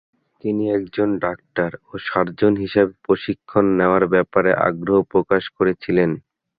তিনি একজন ডাক্তার ও সার্জন হিসেবে প্রশিক্ষণ নেওয়ার ব্যাপারে আগ্রহ প্রকাশ করেছিলেন।